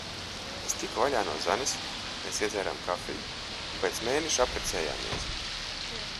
Es tiku vaļā no Zanes. Mēs iedzērām kafiju. Un pēc mēneša apprecējāmies.